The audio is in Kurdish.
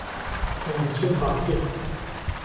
Em diçin parkê.